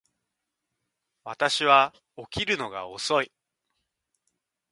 私は起きるのが遅い